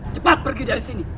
cepat pergi dari sini